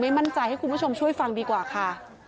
มั่นใจให้คุณผู้ชมช่วยฟังดีกว่าค่ะ